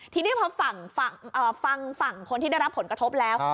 ทีนี้พอฟังฝั่งคนที่ได้รับผลกระทบแล้ว